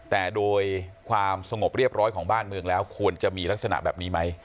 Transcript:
แต่โดยความสงบเรียบร้อยของบ้านเมืองแล้วควรจะมีลักษณะแบบนี้ไหม